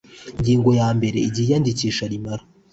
ingingo ya mbere igihe iyandikisha rimara